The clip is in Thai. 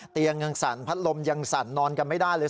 เตียงยังสั่นพัดลมยังสั่นนอนกันไม่ได้เลย